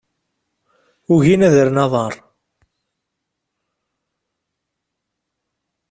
Ugin ad rren aḍar.